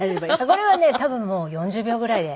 これはね多分もう４０秒ぐらいで。